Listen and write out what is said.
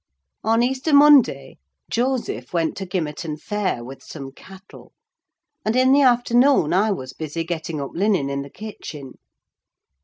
On Easter Monday, Joseph went to Gimmerton fair with some cattle; and, in the afternoon, I was busy getting up linen in the kitchen.